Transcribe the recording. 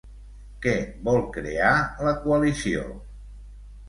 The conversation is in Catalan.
Què vol crear la coalició?